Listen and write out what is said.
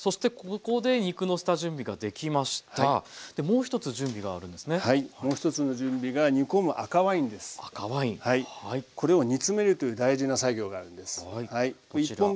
これを煮詰めるという大事な作業があるんです。